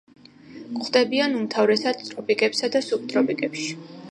გვხვდებიან უმთავრესად ტროპიკებსა და სუბტროპიკებში.